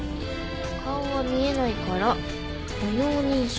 顔は見えないから歩容認証。